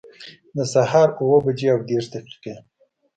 د سهار اووه بجي او دیرش دقیقي